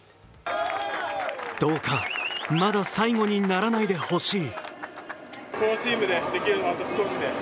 どうか、まだ最後にならないでほしい。